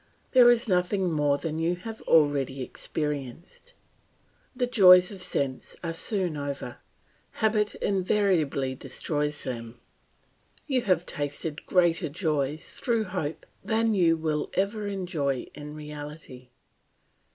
There is nothing more than you have already experienced. The joys of sense are soon over; habit invariably destroys them. You have tasted greater joys through hope than you will ever enjoy in reality.